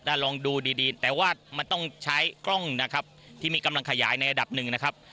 ลองดูดีดีแต่ว่ามันต้องใช้กล้องนะครับที่มีกำลังขยายในระดับหนึ่งนะครับ